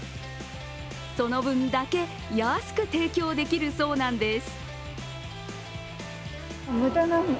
その分だけ安く提供できるそうなんです。